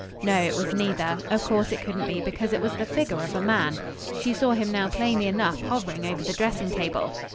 No, it was neither; of course it couldn't be because it was the figure of a man. She saw him now plainly enough hovering over the dressing table.